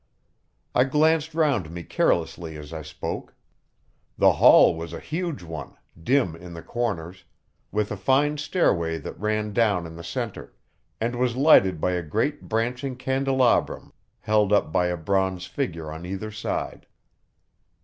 I glanced round me carelessly as I spoke. The hall was a huge one, dim in the corners, with a fine stairway that ran down in the centre, and was lighted by a great branching candelabrum held up by a bronze figure on either side.